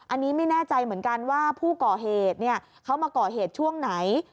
อันนี้ไม่แน่ใจเหมือนกันว่าผู้ก่อเหตุเขามาก่อเหตุช่วงไหน